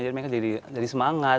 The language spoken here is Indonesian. jadi mereka jadi semangat